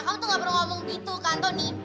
kamu tuh gak perlu ngomong gitu ke antoni